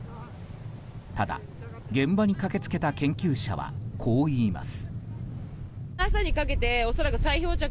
ただ、現場に駆け付けた研究者はこう言います。